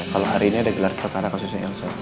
kalau hari ini ada gelar kekara khususnya elsa